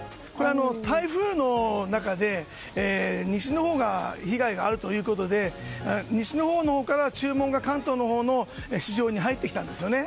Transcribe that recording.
台風の中で西のほうが被害があるということで西のほうから関東の市場に注文が入ってきたんですよね。